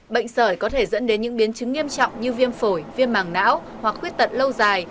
bệnh sởi có thể dẫn đến những biến chứng nghiêm trọng như viêm phổi viêm màng não hoặc khuyết tận lâu dài